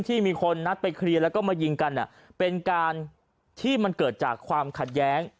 ที่มีคนนัดไปเคลียร์แล้วก็มายิงกันเป็นการที่มันเกิดจากความขัดแย้ง